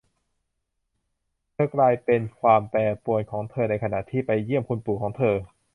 เธอกลายเป็นความแปรปรวนของเธอในขณะที่ไปเยี่ยมคุณปู่ของเธอ